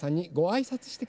はい。